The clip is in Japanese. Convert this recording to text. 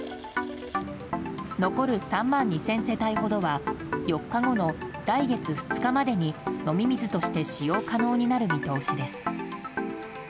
残る３万２０００世帯ほどは４日後の来月２日までに飲み水として使用可能になる見通しです。